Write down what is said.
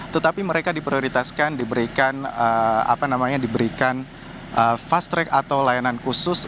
tetapi mereka diprioritaskan diberikan fast track atau layanan khusus